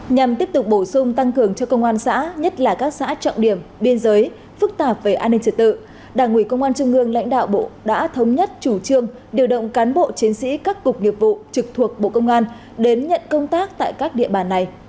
nhằm tiếp tục bổ sung tăng cường cho công an xã nhất là các xã trọng điểm biên giới phức tạp về an ninh trật tự đảng ủy công an trung ương lãnh đạo bộ đã thống nhất chủ trương điều động cán bộ chiến sĩ các cục nghiệp vụ trực thuộc bộ công an đến nhận công tác tại các địa bàn này